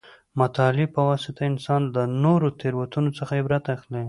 د مطالعې په واسطه انسان د نورو د تېروتنو څخه عبرت اخلي.